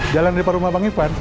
jalan depan rumah bang ivan